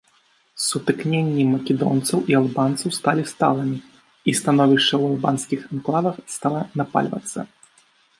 Сутыкненні македонцаў і албанцаў сталі сталымі, і становішча ў албанскіх анклавах стала напальвацца.